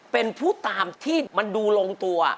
เป็นผู้ตามที่มันดูลงตัว